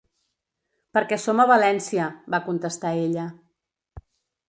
“Perquè som a València”, va contestar ella.